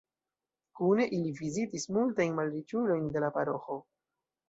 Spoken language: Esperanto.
Kune, ili vizitis multajn malriĉulojn de la paroĥo.